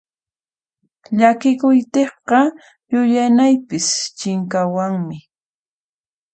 Llakikuqtiyqa yuyayniypis chinkawanmi.